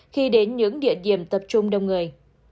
khi đến những địa điểm tập trung đông người